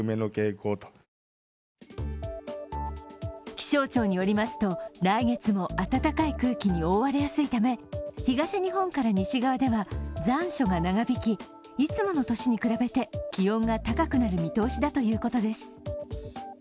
気象庁によりますと、来月も暖かい空気に覆われやすいため東日本から西側では残暑が長引き、いつもの年に比べて、気温が高くなる見通しだということです。